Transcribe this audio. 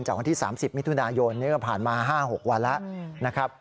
จากวันที่๓๐มิถุนายนผ่านมา๕๖วันแล้ว